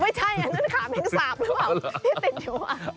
ไม่ใช่อันนั้นขาแมลงสาบแล้วเหรอ